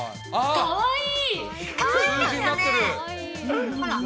かわいい。